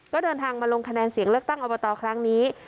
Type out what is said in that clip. ก็เดินทางมาลงคะแนนเสียงเลือกตั้งอบตครั้งนี้